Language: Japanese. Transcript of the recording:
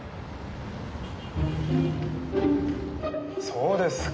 そうですか。